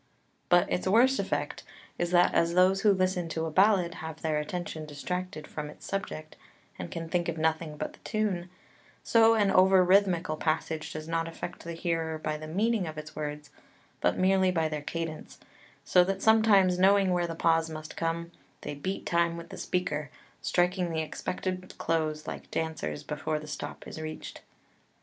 2 But its worst effect is that, as those who listen to a ballad have their attention distracted from its subject and can think of nothing but the tune, so an over rhythmical passage does not affect the hearer by the meaning of its words, but merely by their cadence, so that sometimes, knowing where the pause must come, they beat time with the speaker, striking the expected close like dancers before the stop is reached.